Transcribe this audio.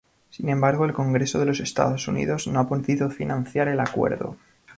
Sin embargo, el Congreso de los Estados Unidos no ha podido financiar el acuerdo.